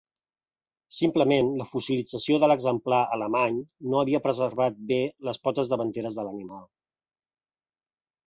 Simplement, la fossilització de l'exemplar alemany no havia preservat bé les potes davanteres de l'animal.